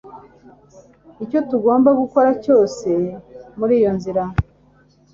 icyo tugomba gukora cyose muri iyo nzira?